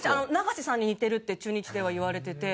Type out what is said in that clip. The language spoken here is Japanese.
長瀬さんに似てるって中日では言われてて。